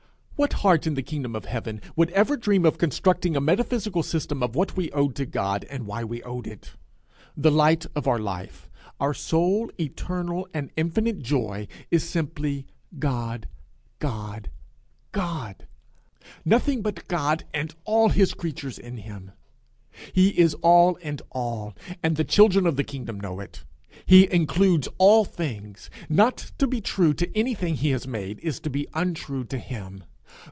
What heart in the kingdom of heaven would ever dream of constructing a metaphysical system of what we owed to God and why we owed it? The light of our life, our sole, eternal, and infinite joy, is simply God God God nothing but God, and all his creatures in him. He is all and in all, and the children of the kingdom know it. He includes all things; not to be true to anything he has made is to be untrue to him.